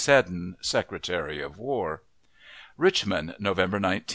SEDDON, Secretary of War. Richmond, November 19,1864.